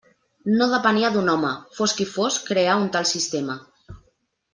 No depenia d'un home, fos qui fos, crear un tal sistema.